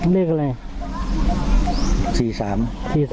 เลขอะไร